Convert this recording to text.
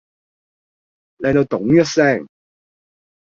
靚到丼一聲